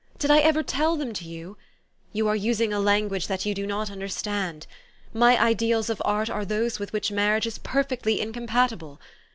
Did I ever tell them to you ? You are using a language that you do not understand. My ideals of art are those with which marriage is perfectly incompatible.